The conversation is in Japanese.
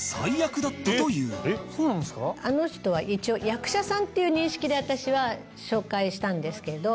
あの人は一応役者さんっていう認識で私は紹介したんですけど。